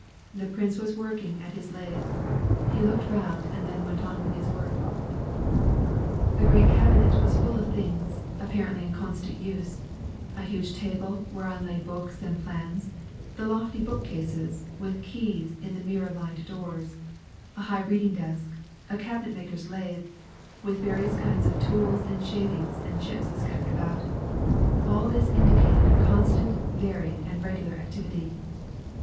The prince was working at his lathe. He looked round and then went on with his work. The great cabinet was full of things, apparently in constant use : a huge table, whereon lay books and plans ; the lofty bookcases, with keys in the mirror lined doors ; a high reading desk J a cabinet maker's lathe, with various kinds of tools and shavings and chips scattered around ;— all this indicated a con stant, varied, and regular activity.